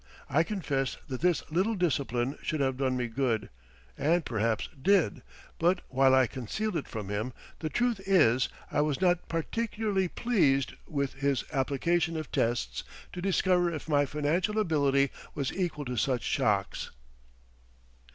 I confess that this little discipline should have done me good, and perhaps did, but while I concealed it from him, the truth is I was not particularly pleased with his application of tests to discover if my financial ability was equal to such shocks.